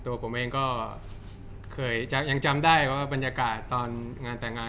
ตัวผมเองก็เคยยังจำได้ว่าบรรยากาศตอนงานแต่งงาน